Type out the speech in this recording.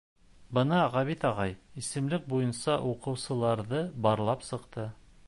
Бына Ғәбит ағай исемлек буйынса уҡыусыларҙы барлап сыҡты.